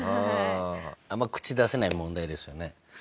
あんま口出せない問題ですよね。